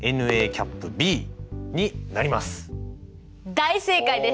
大正解です！